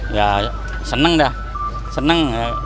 ya seneng dah seneng